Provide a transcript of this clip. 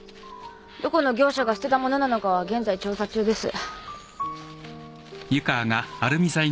どこの業者が捨てたものなのかは現在調査中です。